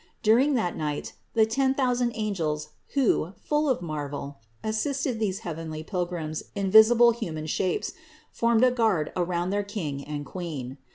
During that night the ten thousand angels who, full of marvel, assisted these earthly Pilgrims in visible human shapes, formed a guard around their King and Queen.